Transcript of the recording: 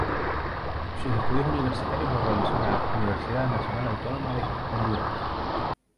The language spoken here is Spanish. Sus estudios universitarios los realizó en la Universidad Nacional Autónoma de Honduras.